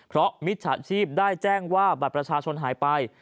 เพราะมิจฉาชีพได้แจ้งว่าบัตรประชาชนหายไป